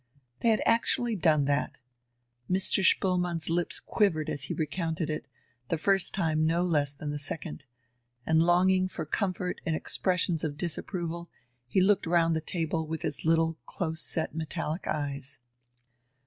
They had actually done that. Mr. Spoelmann's lips quivered as he recounted it, the first time no less than the second, and, longing for comfort and expressions of disapproval, he looked round the table with his little, close set, metallic eyes.